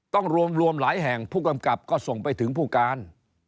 ต้องรวมหลายแห่งผู้กำกับก็ส่งไปถึงผู้การ